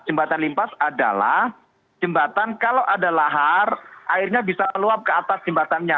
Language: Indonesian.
jembatan limpas adalah jembatan kalau ada lahar airnya bisa meluap ke atas jembatannya